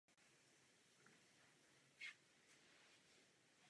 Pracoval zde na různých místech.